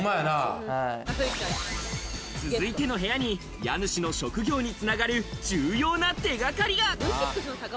続いての部屋に家主の職業に繋がる重要な手がかりが。